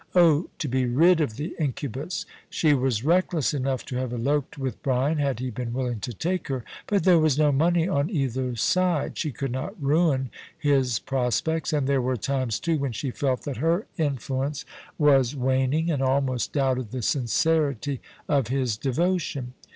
Oh to be rid of the incubus ! She was reckless enough to have eloped with Brian had he been willing to take her. But there was no money on either side ; she could not ruin his prospects, and there were times, too, when she felt that her influence was MRS. VALLA NCVS HOME. 51 waning, and almost doubted the sincerity of his devotion.